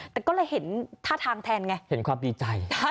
แต่ก็เลยเห็นท่าทางแทนไงเห็นความดีใจ